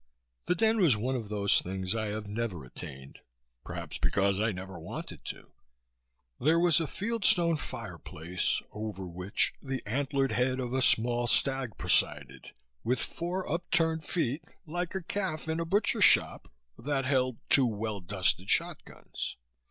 The den was one of those things I have never attained, perhaps because I never wanted to. There was a field stone fireplace, over which the antlered head of a small stag presided with four upturned feet like a calf in a butcher shop that held two well dusted shotguns.